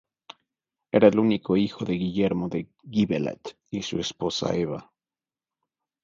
Era el único hijo de Guillermo de Gibelet y su esposa Eva.